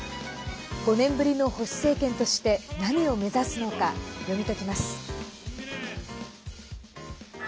５年ぶりの保守政権として何を目指すのか、読み解きます。